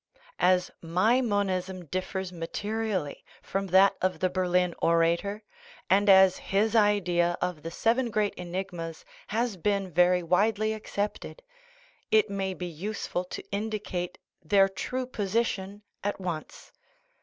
As my monism differs materially from that of the Ber lin orator, and as his idea of the " seven great enigmas " has been very widely accepted, it may be useful to indi cate their true position at once.